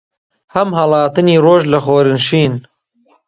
هەم هەڵاتنی ڕۆژ لە خۆرنشین